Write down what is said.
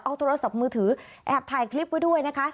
เอาโทรศัพท์มือถือแอบถ่ายคลิปไว้ด้วยนะคะ